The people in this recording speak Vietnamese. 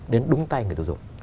đến đúng tay người tiêu dùng